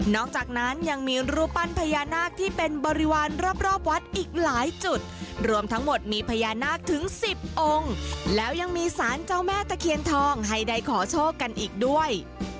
จากนั้นยังมีรูปปั้นพญานาคที่เป็นบริวารรอบวัดอีกหลายจุดรวมทั้งหมดมีพญานาคถึงสิบองค์แล้วยังมีสารเจ้าแม่ตะเคียนทองให้ได้ขอโชคกันอีกด้วย